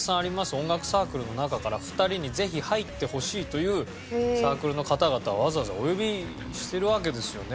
音楽サークルの中から２人にぜひ入ってほしいというサークルの方々をわざわざお呼びしてるわけですよね